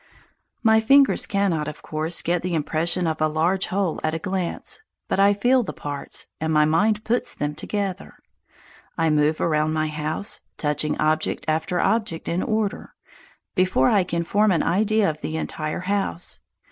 My fingers cannot, of course, get the impression of a large whole at a glance; but I feel the parts, and my mind puts them together. I move around my house, touching object after object in order, before I can form an idea of the entire house.